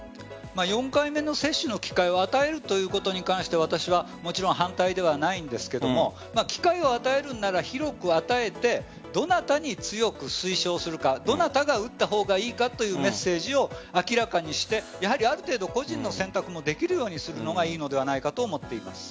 ４回目の接種の機会を与えるということに関して私は反対ではないんですが機会を与えるなら広く与えてどなたに強く推奨するかどなたが打った方がいいかというメッセージを明らかにしてある程度、個人の選択もできるようにするのがいいのではないかと思っています。